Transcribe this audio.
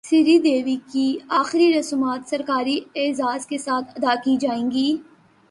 سری دیوی کی اخری رسومات سرکاری اعزاز کے ساتھ ادا کی جائیں گی